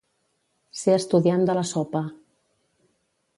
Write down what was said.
Ser estudiant de la sopa.